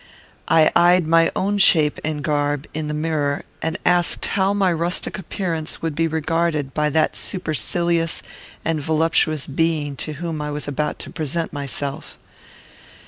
I eyed my own shape and garb in the mirror, and asked how my rustic appearance would be regarded by that supercilious and voluptuous being to whom I was about to present myself.